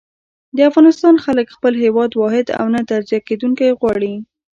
د افغانستان خلک خپل هېواد واحد او نه تجزيه کېدونکی غواړي.